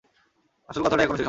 আসল কথাটাই এখনো হয় নি।